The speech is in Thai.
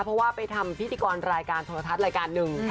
เพราะว่าไปทำพิธีกรรายการโทรทัศน์รายการหนึ่ง